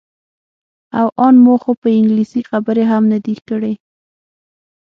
او ان ما خو په انګلیسي خبرې هم نه دي کړې.